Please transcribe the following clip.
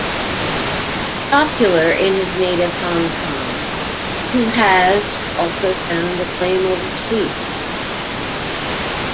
Popular in his native Hong Kong, To has also found acclaim overseas.